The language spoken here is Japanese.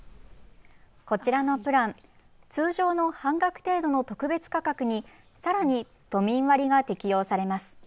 こちらのプラン通常の半額程度の特別価格にさらに都民割が適用されます。